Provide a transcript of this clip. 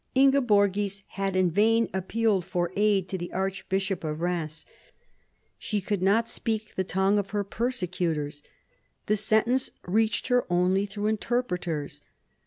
Ingeborgis had in vain appealed for aid to the arch bishop of Eheims. She could not speak the tongue of her persecutors. The sentence reached her only through interpreters.